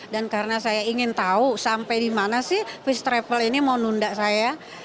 dan karena saya ingin tahu sampai di mana sih first travel ini mau nunda saya